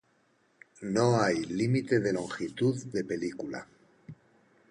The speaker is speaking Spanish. No hay límite de longitud de película.